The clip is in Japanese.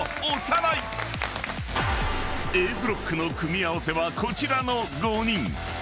［Ａブロックの組み合わせはこちらの５人］